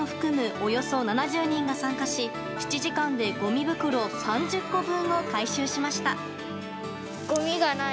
およそ７０人が参加し７時間でごみ袋３０個分を回収しました。